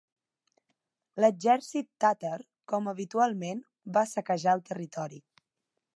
L'exèrcit tàtar, com habitualment, va saquejar el territori.